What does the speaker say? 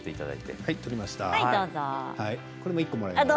下のも１つもらいます。